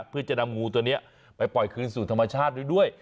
เพื่อจะนำงูตัวนี้ไปปล่อยคืนสู่ธรรมชาติด้วย